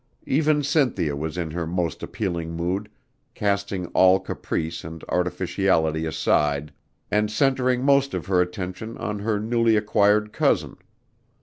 Even Cynthia was in her most appealing mood, casting all caprice and artificiality aside and centering most of her attention on her newly acquired cousin.